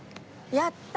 やったー！